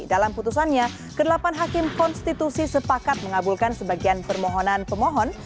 dalam putusannya ke delapan hakim konstitusi sepakat mengabulkan sebagian permohonan pemohon